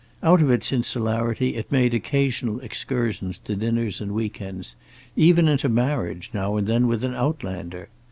Out of its insularity it made occasional excursions to dinners and week ends; even into marriage, now and then with an outlander.